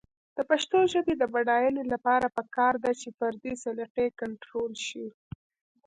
د پښتو ژبې د بډاینې لپاره پکار ده چې فردي سلیقې کنټرول شي.